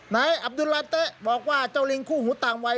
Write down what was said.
นายอับดุลลาเต๊ะบอกว่าเจ้าลิงคู่หูต่างวัย